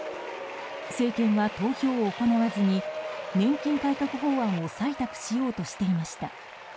政権は投票を行わずに年金改革法案を採択しようとしていました。